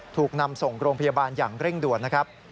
ถูกนำส่งโรงพยาบาลอย่างเร่งด่วนนะครับ